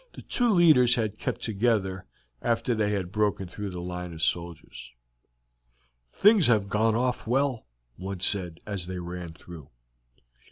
The two leaders had kept together after they had broken through the line of soldiers. "Things have gone off well," one said as they ran through.